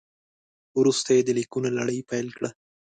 وروسته یې د لیکونو لړۍ پیل کړه.